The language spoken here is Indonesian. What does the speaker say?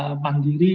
dan mandiri ya